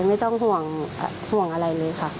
ไม่ต้องห่วงอะไรเลยค่ะ